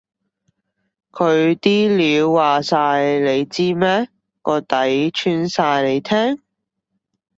佢啲料話晒你知咩？個底穿晒你聽？